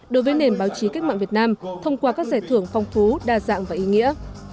đối với nền báo chí cách mạng việt nam thông qua các giải thưởng phong phú đa dạng và ý nghĩa